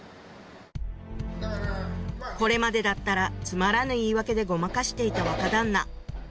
これまでだったらつまらぬ言い訳でごまかしていた若旦那